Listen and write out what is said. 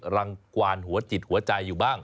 รังกวานหัวจิตหัวใจอยู่บ้าง